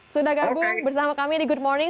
sudah gabung bersama kami di good morning